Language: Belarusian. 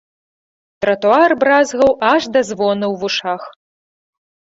Тратуар бразгаў аж да звону ў вушах.